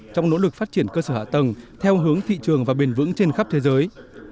trong nỗ lực phát triển cơ sở hạ tầng theo hướng thị trường và bền vững trên khắp thế giới